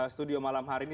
studio malam hari ini